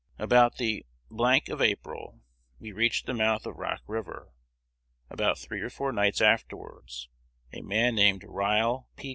"About the of April, we reached the mouth of Rock River. About three or four nights afterwards, a man named Rial P.